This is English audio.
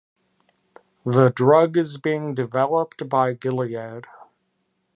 The drug is being developed by Gilead.